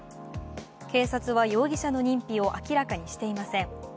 警察は容疑者の認否を明らかにしていません。